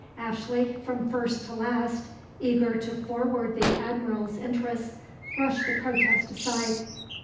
Ashley, from first to last eager to forward the Admiral's interests, brushed the protest aside.